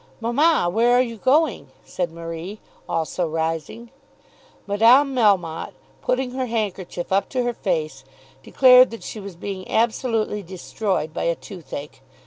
"Mamma, where are you going?" said Marie, also rising. Madame Melmotte, putting her handkerchief up to her face, declared that she was being absolutely destroyed by a toothache.